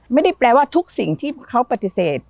ไม่ได้แปลว่าทุกสิ่งที่เขาปฏิเสธ